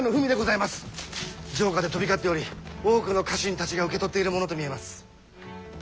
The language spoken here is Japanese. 城下で飛び交っており多くの家臣たちが受け取っているものと見えます。